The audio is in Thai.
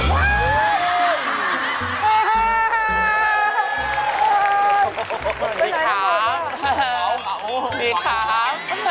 สวัสดีครับ